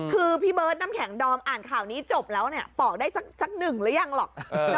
คือพี่เบิร์ดน้ำแข็งดอมอ่านข่าวนี้จบแล้วเนี่ยปอกได้สักหนึ่งหรือยังหรอก